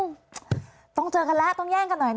รัฐบาลนี้ใช้วิธีปล่อยให้จนมา๔ปีปีที่๕ค่อยมาแจกเงิน